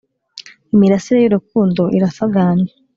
Imirasire y'urukundo iransagambye,